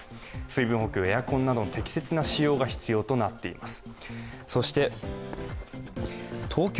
水分補給、エアコンなどの適切な使用が必要となっています。